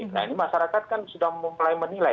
nah ini masyarakat kan sudah mulai menilai